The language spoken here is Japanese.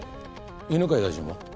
犬飼大臣は？